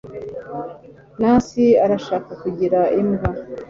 nancy arashaka kugira imbwa